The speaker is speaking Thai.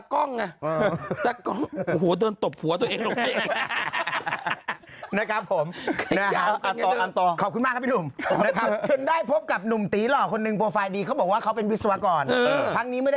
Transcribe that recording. กล้องส่องเนี่ยอยากเกิดเขย่าเลยอ่ะ